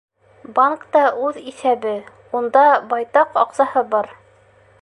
Банкта үҙ иҫәбе, унда байтаҡ аҡсаһы бар.